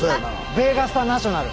ベーガスタ・ナショナル。